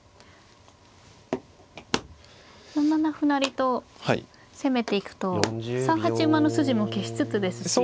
４七歩成と攻めていくと３八馬の筋も消しつつですし。